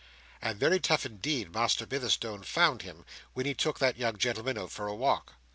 And very tough indeed Master Bitherstone found him, when he took that young gentleman out for a walk.